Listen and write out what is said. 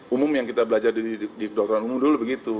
umum yang kita belajar di dokteran umum dulu begitu